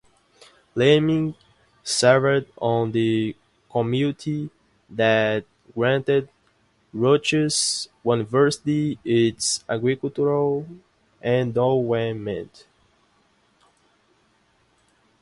Leaming served on the committee that granted Rutgers University its agricultural endowment.